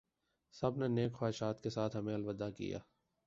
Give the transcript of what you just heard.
سب نے نیک خواہشات کے ساتھ ہمیں الوداع کیا